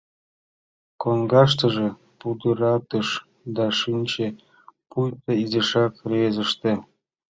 Коҥгаштыже пудыратыш да шинче, пуйто изишак рвезеште.